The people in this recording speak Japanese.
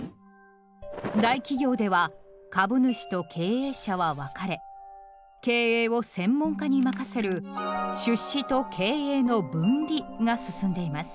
大企業では株主と経営者は分かれ経営を専門家に任せる「出資と経営の分離」が進んでいます。